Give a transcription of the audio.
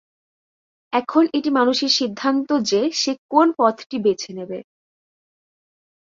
এখন এটি মানুষের সিদ্ধান্ত যে সে কোন পথটি বেছে নেবে।